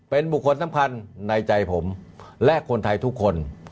เป็นบุคคลสำคัญในใจผมและคนไทยทุกคน